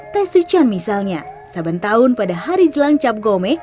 tai sichan misalnya saban tahun pada hari jelang cap gome